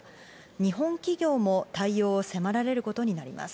日本企業も対応を迫られることになります。